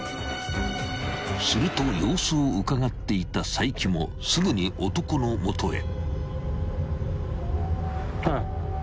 ［すると様子をうかがっていた齋木もすぐに男の元へ］